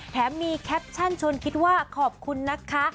แถมมีแคปชั่นชวนคิดว่าขอบคุณนะคะ